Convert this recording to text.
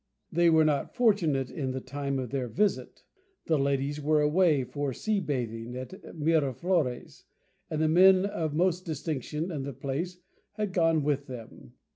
They were not fortunate in the time of their visit. The ladies were away for sea bathing at Miraflores, and the men of most distinction in the place had gone with them.